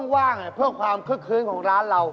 ว่างเพื่อความคึกคืนของร้านเรา